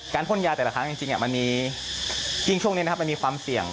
การผ่นยาแต่ละครั้งจริงมีช่วงนี้มีความเสี่ยง